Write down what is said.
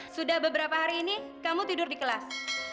sudah beberapa hari ini kamu tidur di kelas